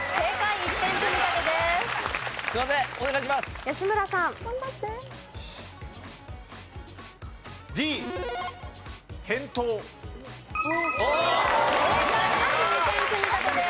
２点積み立てです。